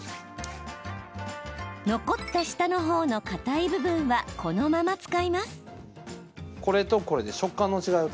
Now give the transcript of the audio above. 残った下のほうのかたい部分はこのまま使います。